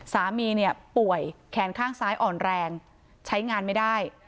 สามีเนี่ยป่วยแขนข้างซ้ายอ่อนแรงใช้งานไม่ได้